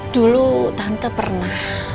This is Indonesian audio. dulu tante pernah